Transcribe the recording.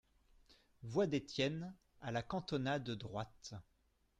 Voix d'Etienne, à la cantonade droite.